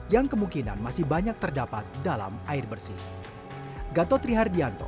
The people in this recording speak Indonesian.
yang kemungkinan masih banyak terdapat dalam air bersih